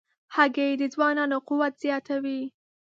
هګۍ د ځوانانو قوت زیاتوي.